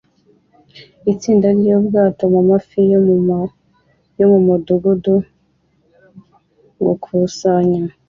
Itsinda ryubwato mumafi yo mumudugudu gukusanya